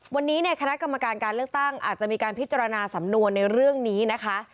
วันนี้เนี่ยคณะกรรมการการเลือกตั้งอาจจะมีการพิจารณาสำนวนในเรื่องนี้นะคะ